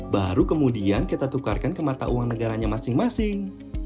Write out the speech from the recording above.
baru kemudian kita tukarkan ke mata uang negaranya masing masing